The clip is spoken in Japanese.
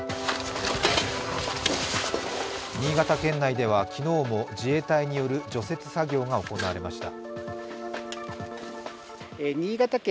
新潟県内では昨日も自衛隊による除雪作業が行われました。